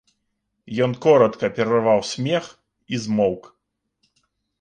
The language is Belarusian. Ён коратка перарваў смех і змоўк.